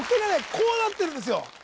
こうなってるんですよ